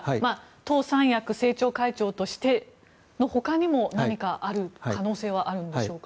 党三役政調会長としてのほかにも何かある可能性はあるんでしょうか？